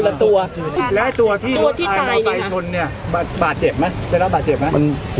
แล้วตัวที่ตายเนี่ยค่ะตัวที่ตายตัวที่ตายตัวที่ตายนี่ค่ะ